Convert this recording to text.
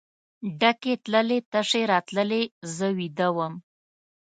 ډکې تللې تشې راتللې زه ویده وم.